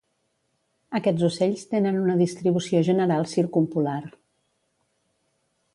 Aquests ocells tenen una distribució general circumpolar.